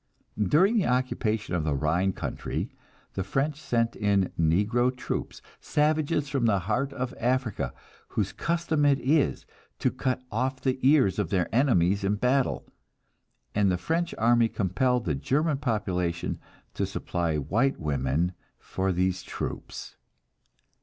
During the occupation of the Rhine country, the French sent in negro troops, savages from the heart of Africa, whose custom it is to cut off the ears of their enemies in battle; and the French army compelled the German population to supply white women for these troops.